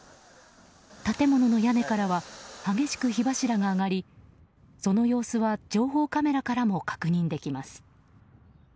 建物の屋根からは激しく火柱が上がりその様子は情報カメラからも確認できます。